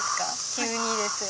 急にですが。